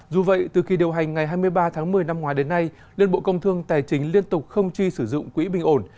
dù vậy từ khi điều hành ngày hai mươi ba tháng một mươi năm ngoái đến nay liên bộ công thương tài chính liên tục không chi sử dụng quỹ bình ổn